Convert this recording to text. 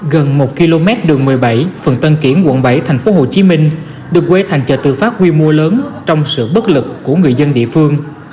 gần một km đường một mươi bảy phường tân kiển quận bảy tp hcm được quê thành chợ tự phát quy mô lớn trong sự bất lực của người dân địa phương